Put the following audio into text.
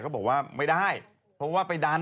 ก็ปรากฏว่าทางแม่ค้าเนี่ยก็บอกว่าไม่ได้